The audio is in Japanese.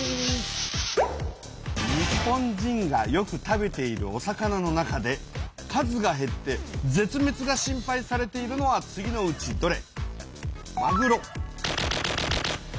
日本人がよく食べているお魚の中で数がへって絶滅が心配されているのは次のうちどれ？